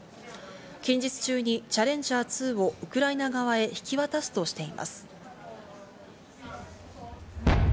近日中に「チャレンジャー２」をウクライナ側へ引き渡すとしています。